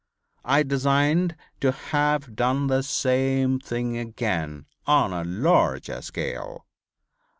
I designed to have done the same thing again on a larger scale.